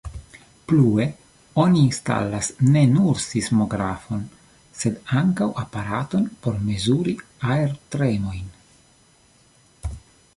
Plue oni instalas ne nur sismografon sed ankaŭ aparaton por mezuri aertremojn.